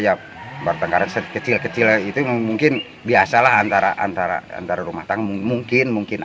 ya bertengkaran sekecil kecil itu mungkin biasalah antara antara rumah tangga mungkin mungkin